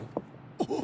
あっ。